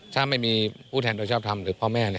ถ้าไม่มีผู้แทนโดยชอบทำหรือพ่อแม่